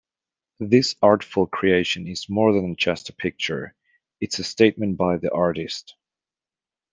This artful creation is more than just a picture, it's a statement by the artist.